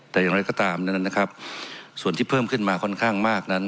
แต่อย่างไรก็ตามนั้นนะครับส่วนที่เพิ่มขึ้นมาค่อนข้างมากนั้น